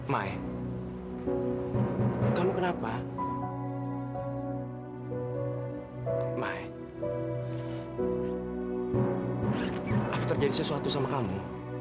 mai kamu kenapa my apa terjadi sesuatu sama kamu